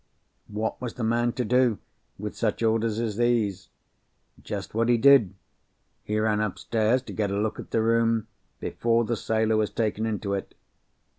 What was the man to do, with such orders as these? Just what he did! He ran upstairs to get a look at the room, before the sailor was taken into it.